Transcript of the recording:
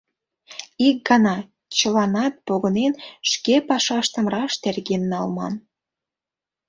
Ик гана, чыланат погынен, шке пашаштым раш терген налман.